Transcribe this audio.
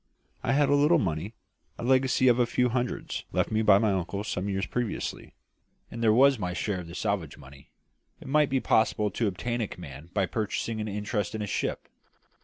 I had a little money a legacy of a few hundreds left me by an uncle some years previously; and there was my share of the salvage money: it might be possible to obtain a command by purchasing an interest in a ship!